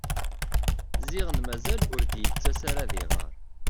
Ziɣen mazal ur d-t-yettas ara ad iɣer.